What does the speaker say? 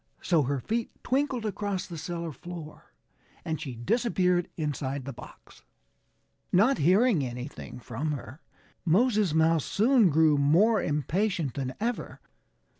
So her feet twinkled across the cellar floor and she disappeared inside the box. Not hearing anything from her, Moses Mouse soon grew more impatient than ever.